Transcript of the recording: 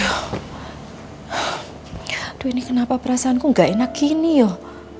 aduh ini kenapa perasaanku gak enak gini loh